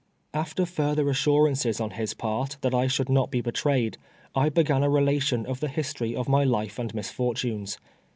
After further assurances on his part that I should not be betrayed, I began a relation of the history of my life and misfortunes.